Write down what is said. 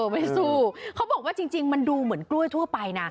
ไม่สู้เขาบอกว่าจริงมันดูเหมือนกล้วยทั่วไปนะ